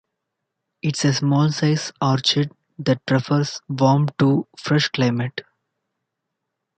It is a small size orchid, that prefers warm to fresh climate.